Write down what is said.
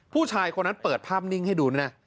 ผู้ชายคนนั้นเปิดภาพนิ่งให้ดูนะ